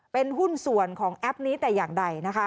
เป็นหุ้นส่วนของแอปนี้แต่อย่างใดนะคะ